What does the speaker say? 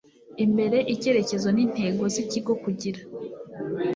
imbere icyerekezo n intego z ikigo kugira